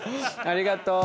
ありがとう。